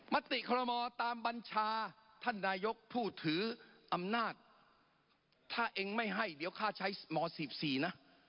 มติคอรมอตามบัญชาท่านนายกผู้ถืออำนาจถ้าเองไม่ให้เดี๋ยวค่าใช้ม๔๔นะ